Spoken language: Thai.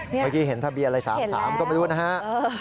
เมื่อกี้เห็นทะเบียนอะไร๓๓ก็ไม่รู้นะฮะ